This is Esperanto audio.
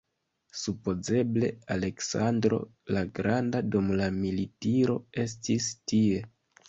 Supozeble Aleksandro la Granda dum la militiro estis tie.